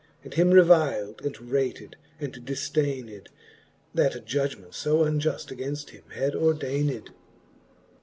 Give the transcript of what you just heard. And him revil'd, and rated, and difdayned. That judgement fo unjufl againft him had ordayned.